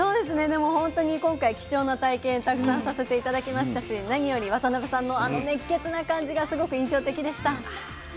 でもほんとに今回貴重な体験たくさんさせて頂きましたし何より渡邊さんのあの熱血な感じがすごく印象的でした。